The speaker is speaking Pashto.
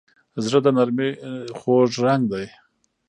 زړه د نرمۍ خوږ رنګ دی.